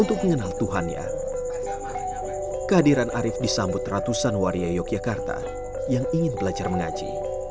untuk mengenal tuhannya kehadiran arief disambut ratusan waria yogyakarta yang ingin belajar mengaji